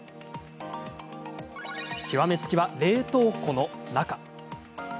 極め付きは冷凍庫の中。